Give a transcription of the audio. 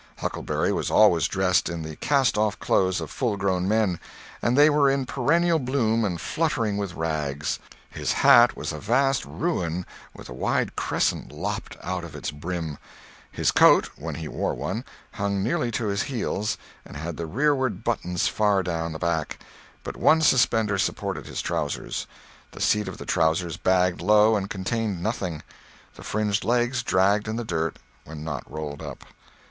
Huckleberry was always dressed in the cast off clothes of full grown men, and they were in perennial bloom and fluttering with rags. His hat was a vast ruin with a wide crescent lopped out of its brim; his coat, when he wore one, hung nearly to his heels and had the rearward buttons far down the back; but one suspender supported his trousers; the seat of the trousers bagged low and contained nothing, the fringed legs dragged in the dirt when not rolled up.